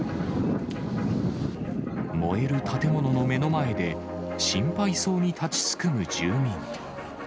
燃える建物の目の前で、心配そうに立ちすくむ住民。